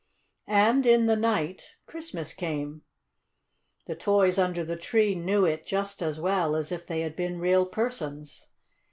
And in the night Christmas came. The toys under the tree knew it just as well as if they had been real persons.